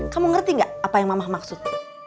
kamu ngerti nggak apa yang mama maksud